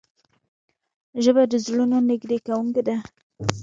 ژبه د زړونو نږدې کوونکې ده